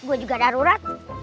gue juga darurat